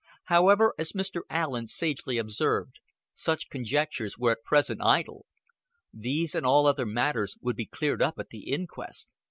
However, as Mr. Allen sagely observed, such conjectures were at present idle. These and all other matters would be cleared up at the inquest.